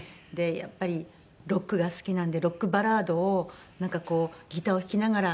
やっぱりロックが好きなのでロックバラードをなんかこうギターを弾きながら歌えたら。